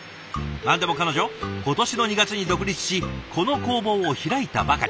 何でも彼女今年の２月に独立しこの工房を開いたばかり。